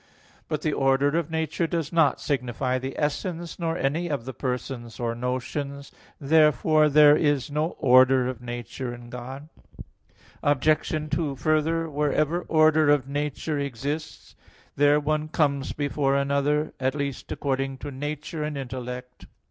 But the order of nature does not signify the essence, nor any of the persons, or notions. Therefore there is no order of nature in God. Obj. 2: Further, wherever order of nature exists, there one comes before another, at least, according to nature and intellect.